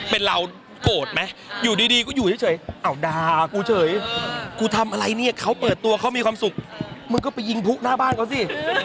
เป็นเราโกรธไหมอยู่ดีก็อยู่เฉยอ้าวด่ากูเฉยกูทำอะไรเนี่ยเขาเปิดตัวเขามีความสุขมึงก็ไปยิงผู้หน้าบ้านเขาสิ